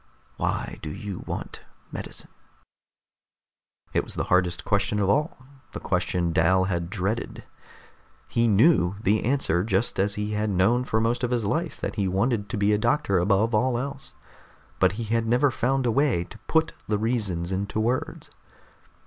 Why do you want medicine?" It was the hardest question of all, the question Dal had dreaded. He knew the answer, just as he had known for most of his life that he wanted to be a doctor above all else. But he had never found a way to put the reasons into words.